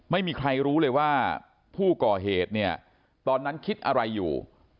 ไม่มีใครรู้ว่าผู้กล่อเหตุตอนนั้นคิดอะไรอยู่